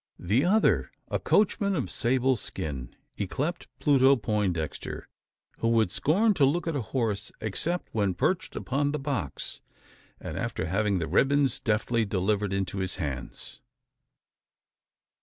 The other a coachman of sable skin, yclept Pluto Poindexter; who would scorn to look at a horse except when perched upon the "box," and after having the "ribbons" deftly delivered into his hands.